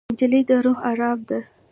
نجلۍ د روح ارام ده.